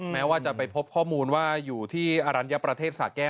แม้ว่าจะไปพบข้อมูลว่าอยู่ที่อรัญญประเทศสาแก้ว